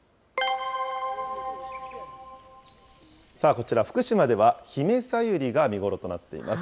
こちら福島では、ヒメサユリが見頃となっています。